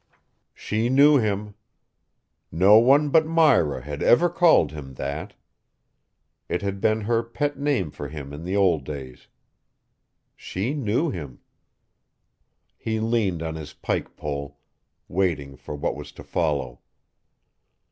She knew him. No one but Myra had ever called him that. It had been her pet name for him in the old days. She knew him. He leaned on his pike pole, waiting for what was to follow.